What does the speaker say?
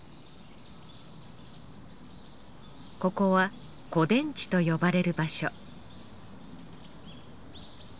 ここは古殿地と呼ばれる場所